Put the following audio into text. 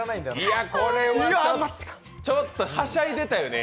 これはちょっとはしゃいでたよね。